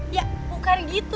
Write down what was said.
ya bukan gitu